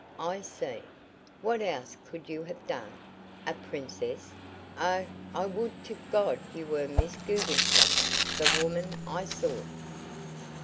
I see. What else could you have done? A princess! Oh, I would to God you were Miss Guggenslocker, the woman I sought!"